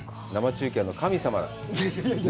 生中継の神様。